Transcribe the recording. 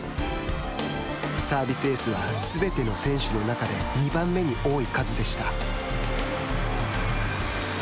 サービスエースはすべての選手の中で２番目に多い数でした。